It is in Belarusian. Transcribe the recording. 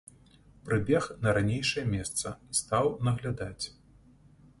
Прыбег на ранейшае месца і стаў наглядаць.